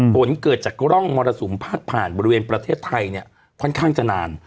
ฝนเกิดจากร่องมรสุมพาดผ่านบริเวณประเทศไทยเนี่ยค่อนข้างจะนาน